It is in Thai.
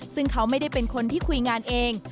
ซึ่งเขาไม่ได้เป็นคนที่คุยงานเอง